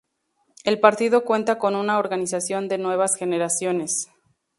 El partido cuenta con una organización de Nuevas Generaciones.